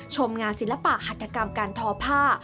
ชมงานศิลปะหัตถกรรมการทอผ้า